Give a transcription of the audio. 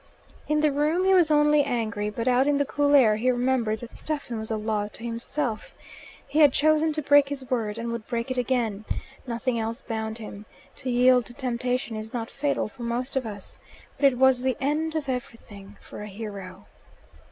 In the room he was only angry, but out in the cool air he remembered that Stephen was a law to himself. He had chosen to break his word, and would break it again. Nothing else bound him. To yield to temptation is not fatal for most of us. But it was the end of everything for a hero.